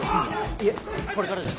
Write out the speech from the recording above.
いえこれからです。